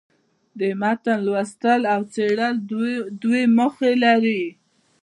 د متن لوستل او څېړل دوې موخي لري.